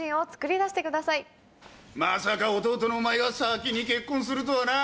まさか弟のお前が先に結婚するとはな。